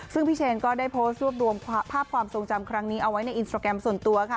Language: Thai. ซึ่งพี่เชนก็ได้โพสต์รวบรวมภาพความทรงจำครั้งนี้เอาไว้ในอินสตราแกรมส่วนตัวค่ะ